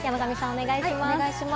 お願いします。